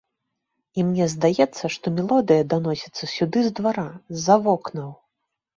І мне здаецца, што мелодыя даносіцца сюды з двара, з-за вокнаў.